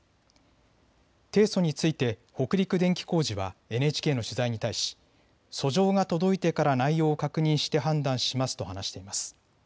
提訴について北陸電気工事はＮＨＫの取材に対し訴状が届いてから内容を確認して判断しますと話しています。